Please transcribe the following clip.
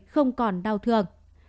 không còn đau thương